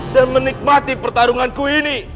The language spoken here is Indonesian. dan menikmati pertarunganku ini